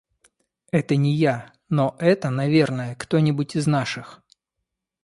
– Это не я. Но это, наверное, кто-нибудь из наших.